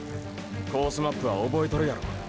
コースマップは覚えとるやろ。